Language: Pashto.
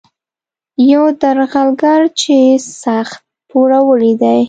یو درغلګر چې سخت پوروړی دی.